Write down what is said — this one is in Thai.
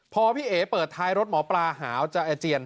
พอพี่เอ๋เปิดท้ายรถหมอปลาหาวจะอาเจียน